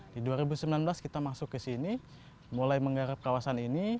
di dua ribu sembilan belas kita masuk ke sini mulai menggarap kawasan ini